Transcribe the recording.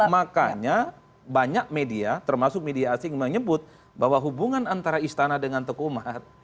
makanya banyak media termasuk media asing menyebut bahwa hubungan antara istana dengan tekumat